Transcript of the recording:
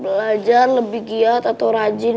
belajar lebih giat atau rajin